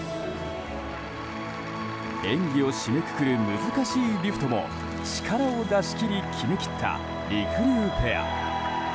演技を締めくくる難しいリフトも力を出し切り決め切ったりくりゅうペア。